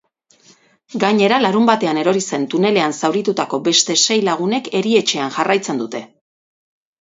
Gainera, larunbatean erori zen tunelean zauritutako beste sei lagunek eritetxean jarraitzen dute.